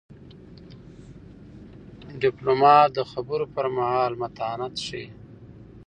ډيپلومات د خبرو پر مهال متانت ښيي.